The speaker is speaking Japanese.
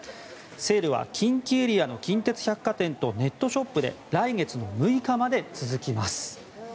セールは近畿エリアの近鉄百貨店とネットショップで来月の６日まで続きます。